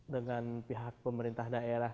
dengan pihak pemerintah daerah